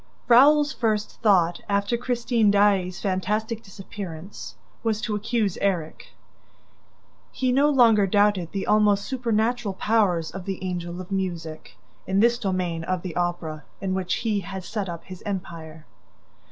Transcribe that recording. Raoul's first thought, after Christine Daae's fantastic disappearance, was to accuse Erik. He no longer doubted the almost supernatural powers of the Angel of Music, in this domain of the Opera in which he had set up his empire.